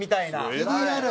気になる！